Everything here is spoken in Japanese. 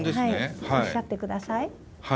おっしゃってください。